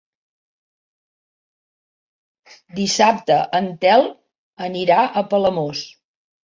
Dissabte en Telm anirà a Palamós.